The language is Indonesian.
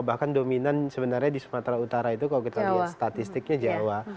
bahkan dominan sebenarnya di sumatera utara itu kalau kita lihat statistiknya jawa